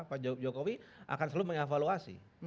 pak jokowi akan selalu mengevaluasi